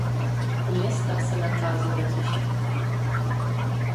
U města se nachází letiště.